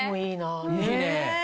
いいね。